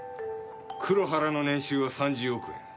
黒原の年収は３０億円。